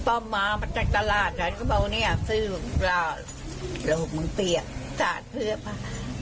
ป้อมมามาจากตลาดแล้วก็บอกเนี่ยซื้อปลาโรคมันเปียกสาดเพื้อปลา